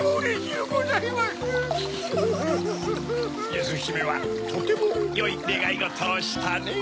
ゆずひめはとてもよいねがいごとをしたね。